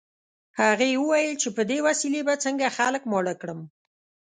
هغه ویې ویل چې په دې وسیلې به څنګه خلک ماړه کړم